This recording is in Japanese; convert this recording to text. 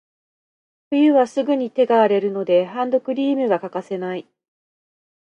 冬はすぐに手が荒れるので、ハンドクリームが欠かせない。